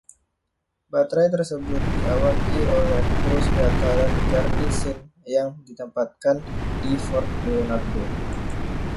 Baterai tersebut diawaki oleh kru senjata dan garnisun yang ditempatkan di Fort Leonardo.